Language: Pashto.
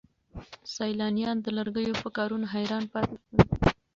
سیلانیان د لرګیو په کارونو حیران پاتې شول.